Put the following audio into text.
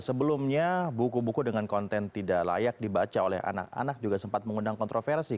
sebelumnya buku buku dengan konten tidak layak dibaca oleh anak anak juga sempat mengundang kontroversi